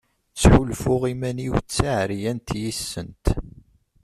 Ttḥulfuɣ iman-iw d taɛeryant yis-sent.